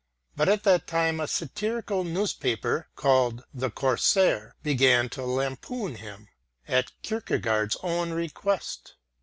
But at that time a satirical newspaper called The Corsair began to lampoon him, at Kierkegaard's own request.